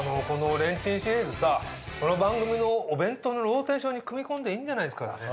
この番組のお弁当のローテーションに組み込んでいいんじゃないですかね？